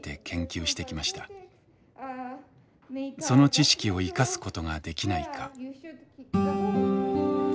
その知識を生かすことができないか。